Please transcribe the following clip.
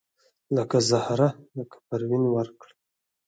لکه زهره لکه پروین ورکړه